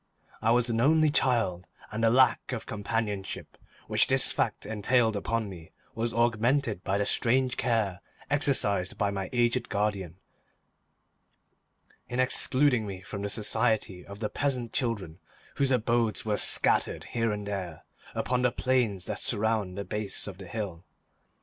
I was an only child, and the lack of companionship which this fact entailed upon me was augmented by the strange care exercised by my aged guardian in excluding me from the society of the peasant children whose abodes were scattered here and there upon the plains that surround the base of the hill.